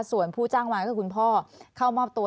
ส่วนผู้จ้างวานคือคุณพ่อเข้ามอบตัว